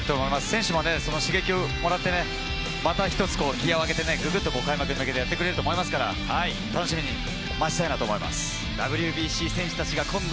選手も刺激をもらってギアを上げて、開幕に向けてやってくれると思いますから、楽しみに待ちたいと思います。